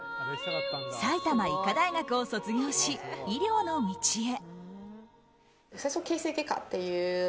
埼玉医科大学を卒業し医療の道へ。